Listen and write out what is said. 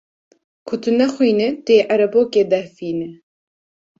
Ku tu nexwînî tu yê erebokê dehfînî.